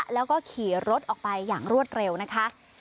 แล้วก็ขี่รถออกไปอย่างรวดเร็วนะคะ